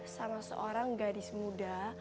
sama seorang gadis muda